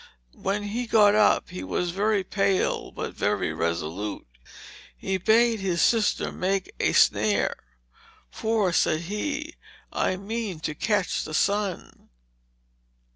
When he got up he was very pale, but very resolute too. He bade his sister make a snare. "For," said he, "I mean to catch the sun."